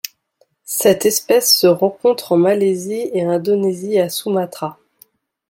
Cette espèce se rencontre en Malaisie et Indonésie à Sumatra.